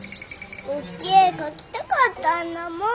大きい絵描きたかったんだもん。